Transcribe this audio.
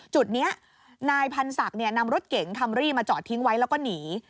จุดนี้นายพันธ์ศักดิ์นำรถเก๋งคัมรี่มาจอดทิ้งไว้แล้วก็หนี